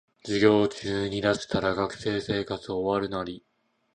授業中に出したら学生生活終わるナリ